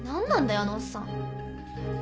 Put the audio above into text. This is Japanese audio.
あのおっさん。